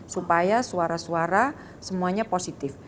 supaya suara suara semuanya positif